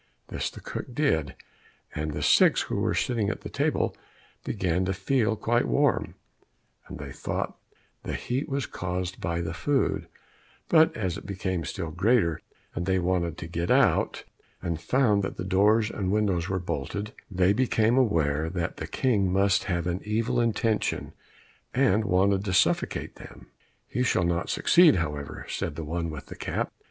This the cook did, and the six who were sitting at table began to feel quite warm, and they thought the heat was caused by the food; but as it became still greater, and they wanted to get out, and found that the doors and windows were bolted, they became aware that the King must have an evil intention, and wanted to suffocate them. "He shall not succeed, however," said the one with the cap.